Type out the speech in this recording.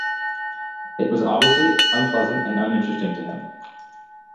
It was obviously unpleasant and uninteresting to him.